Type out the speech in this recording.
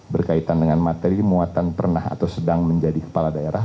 berkaitan dengan materi muatan pernah atau sedang menjadi kepala daerah